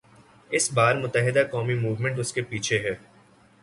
اس بار متحدہ قومی موومنٹ اس کے پیچھے ہے۔